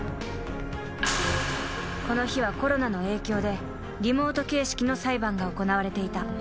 ［この日はコロナの影響でリモート形式の裁判が行われていた］